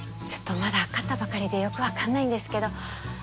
ちょっとまだ飼ったばかりでよく分かんないんですけど。